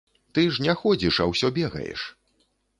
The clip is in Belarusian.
Ты ж не ходзіш, а ўсё бегаеш.